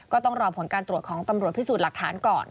ก็ต้องรอผลการตรวจของตำรวจพิสูจน์หลักฐานก่อน